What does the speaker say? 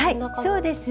そうです。